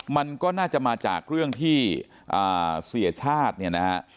มันก็น่าจะมาจากเรื่องที่เสียชาติเนี่ยนะฮะ